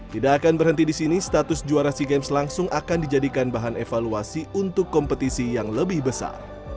tidak akan berhenti di sini status juara sea games langsung akan dijadikan bahan evaluasi untuk kompetisi yang lebih besar